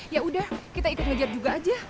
yaudah kita ikut ngejep juga aja